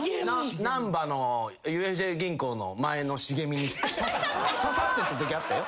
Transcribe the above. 難波のＵＦＪ銀行の前の茂みに刺さってたときあったよ。